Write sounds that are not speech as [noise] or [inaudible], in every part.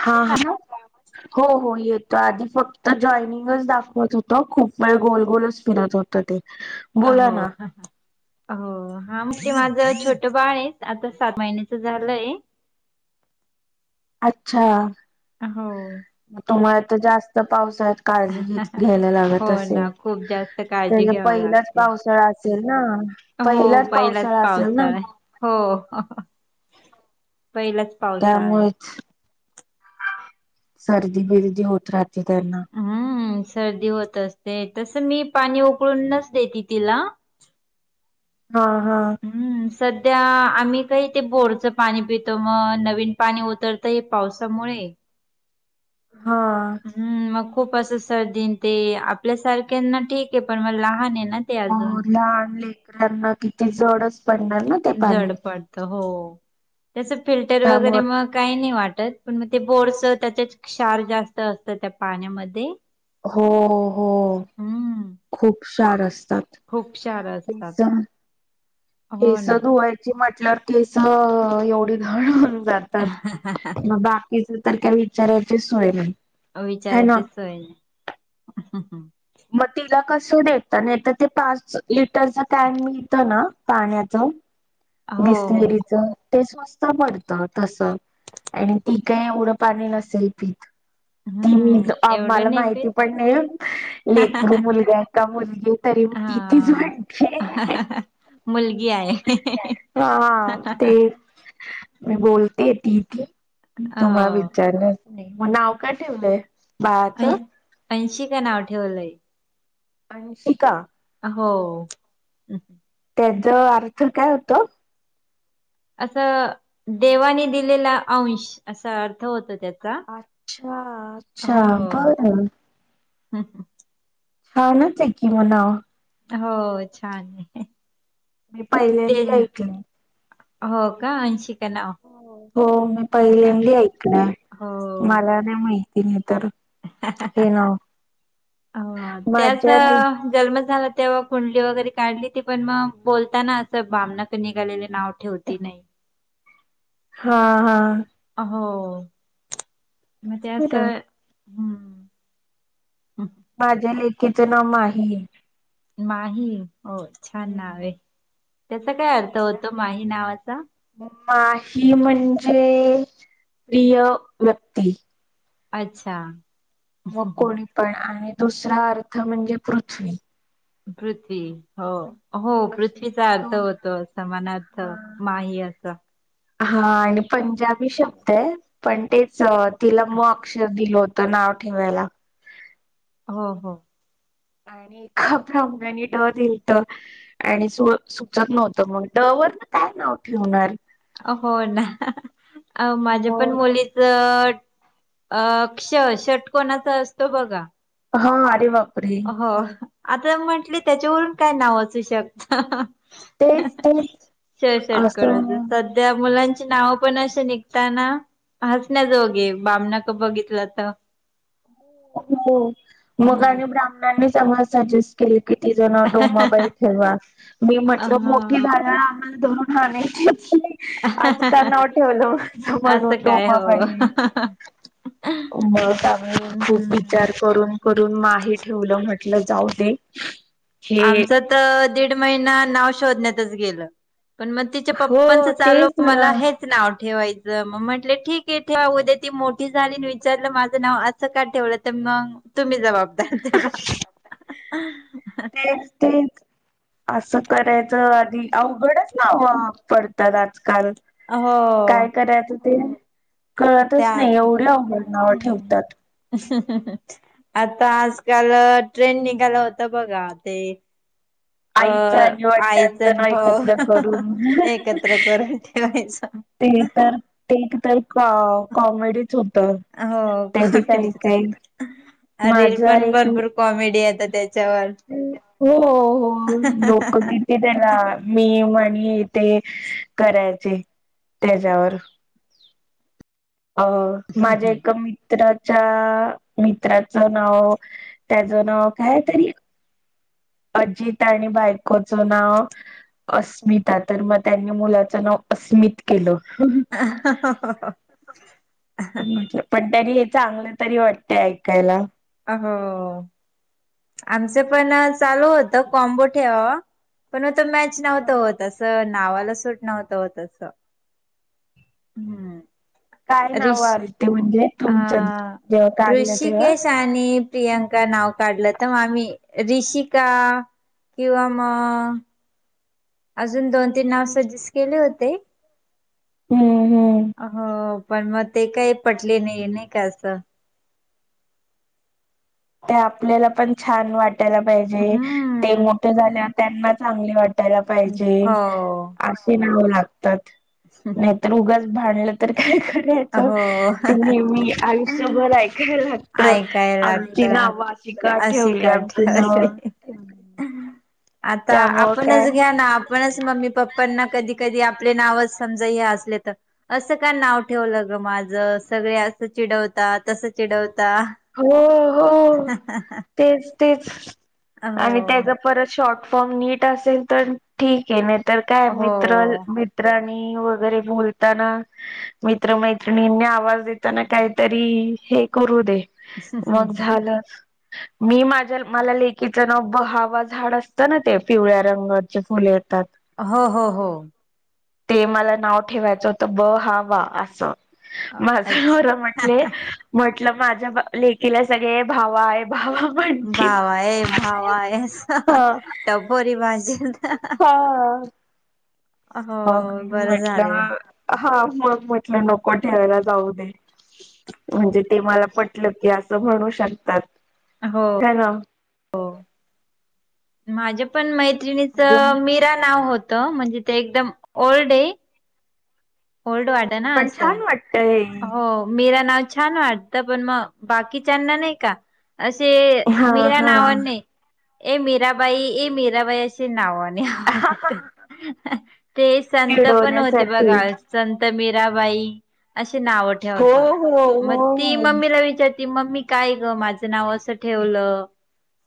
हा. हॅलो. हो. हो. येतो. आधी फक्त जॉईनिंगच दाखवत होत. खूप वेळ गोल गोलच फिरत होत ते. ह अ हो. हो. हा म ते माझं छोट बाळ आहे. आता सात महिन्याचं झालंय. अच्छा. हो. म तुम्हाला तर जास्त पाऊस [unintelligible] काळजी निट घ्यायला हो लागत असेल. ना खूप जास्त काळजी त्या घ्यावी पहिलाच लागते. पावसाळा- असेल ना? हो पहिलाच पावसाळा असेल ना? पावसाळा आहे. हो. पहिलाच. पावसाळा आहे. त्यामुळे. सर्दी बिर्दी होत राहते त्यांना. हुं. सर्दी होत असते. तस मी पाणी उकळूनच देते तिला. हा. हा. हूं. सध्या आम्ही तर इथे बोरचं पाणी पितो. म नवीन पाणी उतर- आता या पावसामुळे. हा. हम्म. मग खूप असं सर्दीन ते आपल्यासारख्यांना ठीक आहे. पण मग लहान आहे ना? ते हो. अजून लहान लेकरांना [unintelligible] जडच पडणार ना? ते जड पाणी पडत हो. तस फिल्टर वगैरे त्यामुळे मग- काही नाही वाटत. पण मग ते बोरच त्याच्यात क्षार जास्त असता त्या पाण्यामध्ये. हो. हो. हं. खूप क्षार असतात. खूप क्षार असतात. केस हो केस ना धुवायची म्हटल्यावर, केस एवढी गळून जात- मग बाकीच तर काय विचारायचीच सोय नाही. होय. है ना. विचारायचीच सोय नाही. म तिला कसं देता? नाही तर ते पाच लिटरचा कॅन मिळतो ना पाण्याचा? हो हो बिसलेरीचा. ते स्वस्त पडत तस. आणि ती काय एवढं पाणी नसेल पीत? हम्म तो अब एवढं मला नाही पीत माहिती पण नाही लेकरु मुलगा का मुलगी तरी मी तिथेच हा म्हणजे मुलगी आहे हा ते मी बोलतीय ती ती तुम्हाला हो विचारलंच नाही, मग नाव का ठेवलंय? बाळाचं अयी अंशिका नाव ठेवलंय. अंशिका? हो त्याच अर्थ काय होतो? असं देवाने दिलेला अंश असा अर्थ होतो त्याचा अच्छा अच्छा बरं हम हं हो छानच आहे की मग नाव. हो छान आहे. मी ते पहिल्यांदी ऐकले. हो का अंशिक हो हो मी पहिल्यांदी ऐकलं हो मला नाही माहिती नाही तर हे नाव अ त्याचा माझ्याने जन्म झाला तेव्हा कुंडली वगैरे काढली ती पण मग बोलताना असं बामनाकडे निघालेले नाव ठेवती नाही. हा हा हो मग ते असं बरं हम्म ह माझ्या लेकीचं नाव माही आहे. माही हो छान नाव हम्म. आहे त्याचा काय अर्थ होतो माही नावाचा? माही म्हणजे प्रिय व्यक्ती. अच्छा मग कोणी पण आणि दुसरा अर्थ म्हणजे पृथ्वी पृथ्वी हो. हो असे पृथ्वीचा दोन अर्थ समानार्थ हा माही याचा. हा आणि पंजाबी शब्द आहे पण तेच तिला म अक्षर दिल होत तर नाव ठेवायला. हो हो आणि एका ब्राह्मणानी ड दिलत. आणि सु सुचत नव्हतं मग ड वरण काय नाव ठेवणार? हो ना अ माझ्या पण मग मुली अ अ ष षटकोणाचा असतो बघा? हा अरे बापरे हो आता म्हंटले त्याच्यावरून काय नाव असू शकत तेच तेच ष‌ षटकोनाचा असं सध्या त्या मुलांची नाव पण असे निघता ना हसण्या जोघे बामना कड बघितलं तर हो मग हम्म आणि ब्राह्मणांनी चांगलं सजेस्ट केले किती जण डोमाबाई ठेवा मी म्हटल मोठी अहो. झाल्यावर आम्हाला धरून हा नाही तर असं का नाव ठेवलं असं म्हणून काय हो डोमाबाई मग आम्ही खूप हम्म विचार करून करून माहे ठेवलं म्हटलं जाऊ दे. हे आमचं त दीड महिना नाव शोधण्यातच गेलं. पण म तिच्या पप्पांच हो चालू तेच ना मला हे नाव ठेवायचं म- म्हटले ठीक आहे उदया ती मोठी झाली विचारलं माझं नाव अस का ठेवल तर मग तुम्ही जबाबदार त्याला. हेच ती, अस करायचं आधी अवघड हो पडतात आजकाल हो काय करायचं ते कळतच त्यात नाय एवढी अवघड नावं हम्म ठेवतात. आता आजकाल ट्रेन निघालं होत बघा ते अ आईचं आणि वडिलांचं -आयचण नाव हो एकत्र करून एकत्र करून ठेवायचं. ते तर ते एक तर कॉमेडी च होत त्याजी काय काय अ -रीली पण भरपूर कॉमेडी येत्यात त्याच्यावर. हो हो लोकगीत तिथेना मी वाणी ते करायचे. त्याज्यावर अ माझ्या एका मित्रांच्या त्राच नाव त्याचं नाव कायतरी अजित आणि बायकोचं नाव अस्मिता तर म त्यांनी मुलाचं नाव अस्मित केलं. [inaudible] म्हटलं पण हे चांगलं तरी वाटत ऐकायला. अ हो. आमचं पण चालू होत कॉम्बो ठेवावा पण आता मॅच नव्हतं होत अस नावाला सूट नव्हत होतं असं हम्. काय नाव रीश आली ते म्हणजे आ तुमचं जेव्हा काढलं तेव्हा ऋषिकेश आणि प्रियांका नाव काढलं तर म आम्ही रिषिका किंवा म अजून दोन तीन नाव सजेस्ट केले होते. हम्म हम्म. हो पण मग ते काय पटले नाय, नाय का असं. त्या आपल्याला पण छान वाटायला पाहिजे ते हम्म मोठे झाल्यावर त्यांना चांगली वाट त्याला पाहिजे हो अशी नाव लागतात. [inaudible] तर ऊगाच भांडलं तर काय करायचं हो ते नेहमी आयुष्यभर ऐकायला लागत. ऐकाय लागत का अशी ठेवली का आमची नाव ठेवली. आता त्यामुळं काय आपणच घ्या ना पणच मम्मी पप्पांना कधी कधी आपले नावच समजा हे असले तर असं का नाव ठेवलं ग माझं? सगळे असं चिडवता तस चिडवता. हो हो तेच तेच आणि त्याज हो परत शॉर्ट फॉर्म नीट असेल तर ठीक ए नाय तर काय हो मित्र मित्राणी वगैरे बोलताना मित्र मैत्रिणींनी आवाज देताना कायतरी हे करू दे. मग झालंच. मी माझ्या मला लेकीचं ना बहावा झाड असतं ना ते पिवळ्या रंगाचे फुल येतात. हो हो हो. ते मला नाव ठेवायचं होतं ब हा वा असं. माझ्या अच्छ नवरा म्हटले म्हटलं माझ्या लेकीला सगळे भावा. भावा म्हण. बावा हे भावा अस हा टपोरी भाषेत. हा अ, हो मग बरं म्हटलं झाले हा, मग म्हटलं नको ठेवायला जाऊ दे. म्हणजे ते मला पटलं की, असं म्हणू शकतात. हो, हॅलो, हो, माझ्या पण अजून मैत्रिणीचं मीरा नाव होतं म्हणजे ते एकदम ओल्ड आहे. ओल्ड वाटत ना असं. वाटतंय. हो, मीरा नाव छान वाटतं पण मग बाकिच्याना नाही का. असे हा मीरा हा नावाने ए मीराबाई ए मीराबाई असे. नावाने ते संत [unintelligible] पण होते चिडवण्यासाठी बघा संत मीराबाई. अशी नाव हो ठेवता हो हो मग ती हो मम्मीला विचारती मम्मी. काय ग माझं नाव असं ठेवलं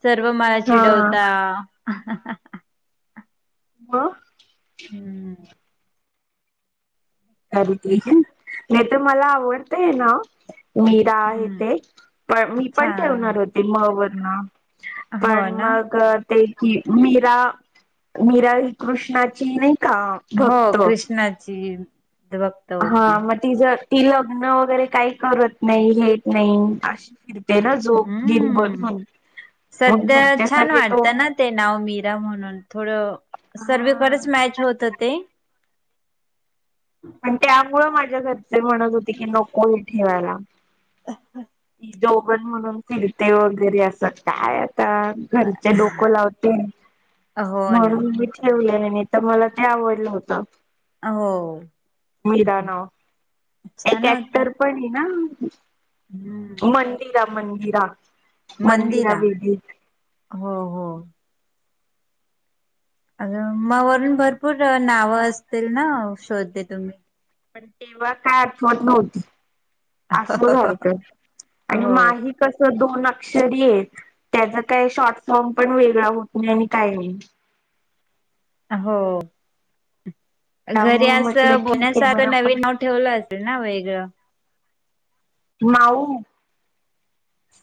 सर्व मला हा चिडवता. हा हा हा, म. हम्म हम्म, सावित्री काय हे तर मला आवडतय नाव. मीरा आहे हम्म. ते पण मी अच्छा पण ठेवणार होते म वरण. हो पण ना मगत. ते की, मीरा मीरा ही, कृष्णाची नाही का. हो भक्त कृष्णाची त्या बघ. हा, मग तिज ती लग्न वगैरे काही करत नाही घेत नाही अशी ती. तेना जोप [inaudible] गिरी हम्म. बनून मग सध्या घरचे छान सगळे तो वाटतं ना ते नाव मीरा म्हणून थोडं. सर्वेकच हा बरेच मॅच होत होते. पण त्यामुळ माझ्या घरचे म्हणत होते की, नको हे ठेवायला. जोगण म्हणून फिरते वगैरे असं काय आता. घरीचे डोको लावते हो ना म्हणून घ्यायची. ठेवले नाही तर मला ते आवडलं होतं. आ हो, मीरा नाव एक छान होत. ऍक्टर पण आहे ना हम्म. मन. मीरा मंदिरा. मंदिरा हो हो, अ म वरून भरपूर नावं असतील ना शोध दे तुम्ही. पण तेव्हा काय आठवतं नव्हती असं झालंत आणि हो. माही. कस दोन अक्षरी आहेत. त्याचा काय शॉर्ट फॉर्म पण वेगळा होत नाही आणि काही नाही. हो, घरी त्यामुळे अस म्हटलं बोलण्या ठीक आहे सारखं बरं पण नवीन नाव. ठेवलं असेल ना वेगळं. माऊ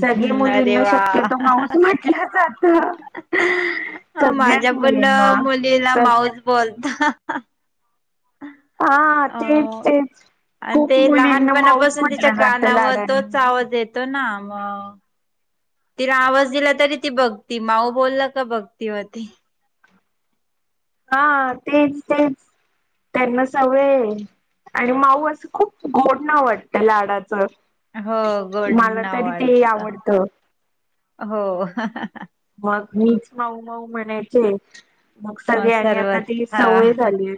सगळे हम्म अरे मुलींना वा शक्यतो माऊच म्हण ह्याच आता. [unintelligible] माझ्या पण मुलीला तस माऊच बोलतो. हा तेच तेच. आणि खूप ते मुलींना माऊस लहानपणापासून तिच्या म्हटलं जातं कानावर लाडाने तोच आवाज येतो ना मग? तिला आवाज दिला तरी ती बघती माऊ बोलला का बघती होती. हा तेच तेच त्यांना सवय आहे. आणि माऊ असं खूप गोड नाव वाटतं लाडाचं. हो गोड मला नाव तरी ते वाढत आवडतं? हो हा हा हा. मग मीच माऊ माऊ म्हणायचे? मग सगळे आणि आता सर्वच ती हा सवय झाली आहे.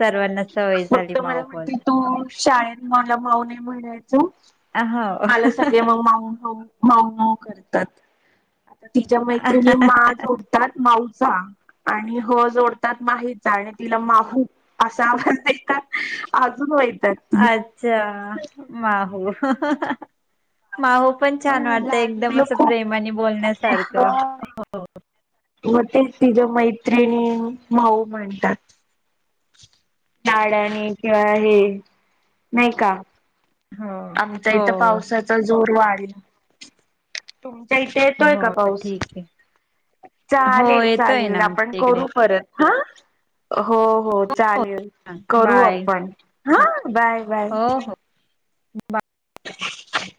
सर्वांना सवय झाली फक्त मला माऊ म्हणते बोलायची तू शाळेत मला माऊ नाही म्हणायच? हो मला सगळे मग माऊ माऊ माऊ माऊ करतात. आता तिच्या मैत्रिणी मा जोडतात माऊचा? आणि ह जोडतात माहीचा आणि तिला माहू असा आवाज नाही का अजून वैताग. अच्छा माहू माहू. पण हा छान वाटतंय लहान एकदम मुलं असं खूप प्रेमाने बोलण्यासारखं हा हो. मग तेच तिझ्या मैत्रिणी माहु म्हणतात. लाडाने किंवा हे नाही का? आमच्या इथं हो पावसाचा जोर वाढला. तुमच्या इथे येतोय का हो पाऊस? ठीक आहे. हो चालेल! येतोय चालेल! ना आपण आमच्या इकडे. करू परत. हा हो हो चालेल. करू बाय. आपण हा बाय बाय. हो हो. [unintelligible]